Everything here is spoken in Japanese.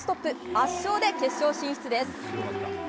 圧勝で決勝進出です。